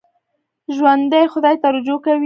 ژوندي خدای ته رجوع کوي